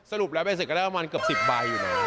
สรุปแล้วใบเสร็จก็ได้ประมาณเกือบ๑๐ใบอยู่นะ